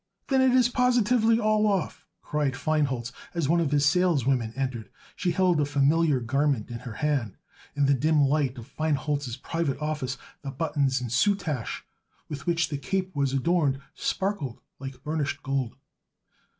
"Then it is positively all off," cried Feinholz as one of his saleswomen entered. She held a familiar garment in her hand, and in the dim light of Feinholz's private office the buttons and soutache with which the cape was adorned sparkled like burnished gold.